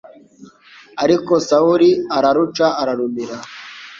Ariko Sawuli araruca ararumira